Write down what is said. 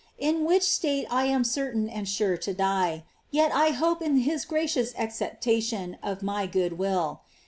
In rhich state I am certain and sure to die ; yet I hope in his gracious acceptation f my good will.